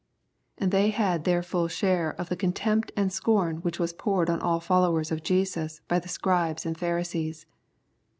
They had their full share of the contempt and scorn which was poured on all followers of Jesus by the Scribes and Pharisees.